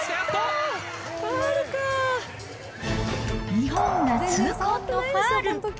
日本が痛恨のファウル。